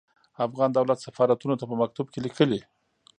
افغان دولت سفارتونو ته په مکتوب کې ليکلي.